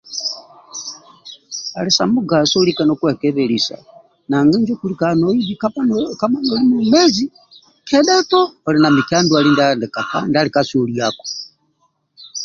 Ali samugaso lika nokwekebelisa nanga menjo okilikaga nohibhi nese oli mwomezi kedhatu oli na mikya ndwali kasoliako